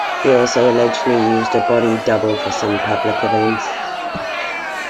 He also allegedly used a body double for some public events.